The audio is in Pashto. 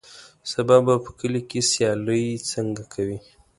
سبا به په کلي کې سیالۍ څنګه کوې.